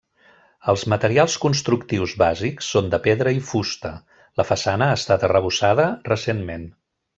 Els materials constructius bàsics són de pedra i fusta, la façana ha estat arrebossada recentment.